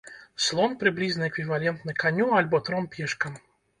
Слон прыблізна эквівалентны каню альбо тром пешкам.